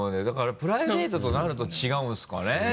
だからプライベートとなると違うんですかね？